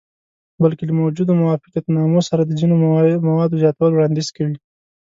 بلکې له موجودو موافقتنامو سره د ځینو موادو زیاتولو وړاندیز کوي.